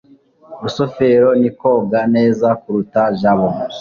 rusufero ni koga neza kuruta jabo